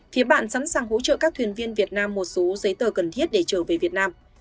phía bạn sẵn sàng hỗ trợ các thuyền viên việt nam một số giấy tờ cần thiết để trở về việt nam